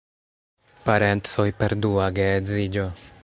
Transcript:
Parencoj per dua geedziĝo.